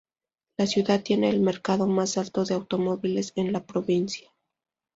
La ciudad tiene el mercado más alto de automóviles en la provincia.